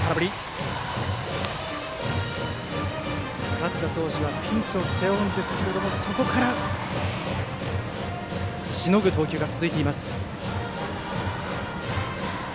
勝田投手はピンチを背負うんですがそこから、しのぐ投球が続きます。